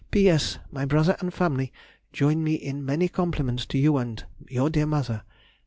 P.S.—My brother and family join me in many compliments to you and your dear mother.